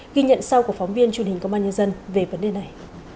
ghi nhận sau của phóng viên truyền hình công an nhân dân về vấn đề này